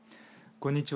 こんにちは。